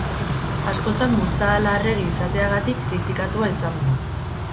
Askotan bultzada larregi izateagatik kritikatua izan da.